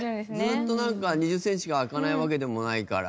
ずーっと２０センチしか開かないわけでもないから。